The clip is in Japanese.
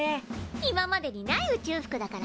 今までにない宇宙服だからね。